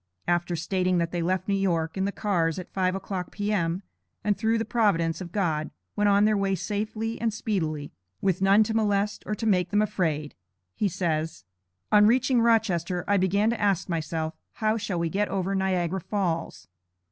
After stating that they left New York, in the cars at five o'clock, P.M., and through the providence of God, went on their way safely and speedily, with none to molest or to make them afraid, he says: "On reaching Rochester, I began to ask myself 'how shall we get over Niagara Falls?'